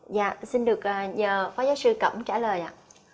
dạ xin được nhờ phó giáo sư cẩm trả lời ạ